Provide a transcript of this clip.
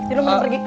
jadi lu mesti pergi